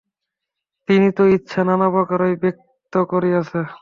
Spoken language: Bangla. তিনি তো ইচ্ছা নানাপ্রকারেই ব্যক্ত করিয়াছেন।